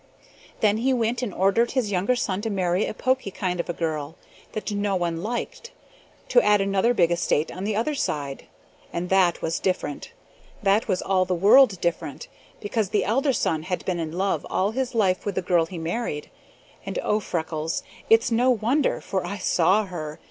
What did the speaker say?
"Then he went and ordered his younger son to marry a poky kind of a girl, that no one liked, to add another big estate on the other side, and that was different. That was all the world different, because the elder son had been in love all his life with the girl he married, and, oh, Freckles, it's no wonder, for I saw her!